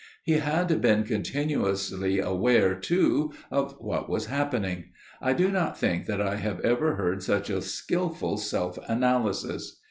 He had been continuously aware, too, of what was happening. I do not think that I have ever heard such a skilful self analysis.